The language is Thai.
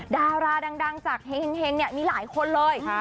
ดาราดังจากเฮงเนี่ยมีหลายคนเลย